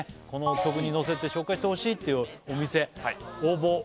この曲にのせて紹介してほしいっていうお店応募